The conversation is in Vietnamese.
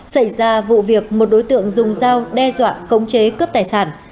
xảy ra vụ việc một đối tượng dùng dao đe dọa khống chế cướp tài sản